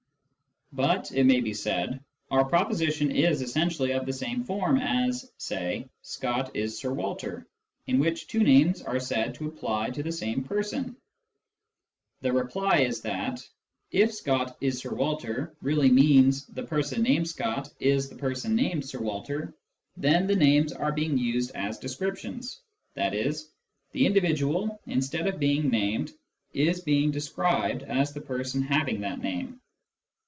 But, it may be said, our proposition is essentially of the same form as (say) " Scott is Sir Walter," in which two names are said to apply to the same person. The reply is that, if " Scott is Sir Walter " really means " the person named ' Scott ' is the person named ' Sir Walter,' " then the names are being used as descriptions : i.e. the individual, instead of being named, is being described as the person having that name.